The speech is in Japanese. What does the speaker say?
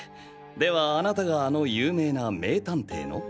ではあなたがあの有名な名探偵の？